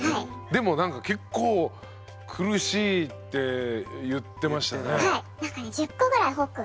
でもなんか結構苦しいって言ってましたね。